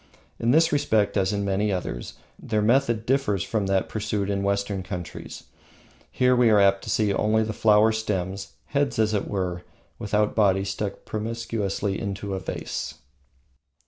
In this respect, as in many others, their method differs from that pursued in Western countries. Here we are apt to see only the flower stems, heads as it were, without body, stuck promiscuously into a vase.